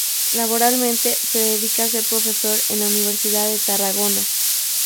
Laboralmente se dedica a ser profesor en la Universidad de Tarragona.